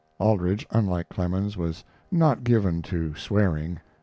Aldrich, unlike Clemens, was not given to swearing.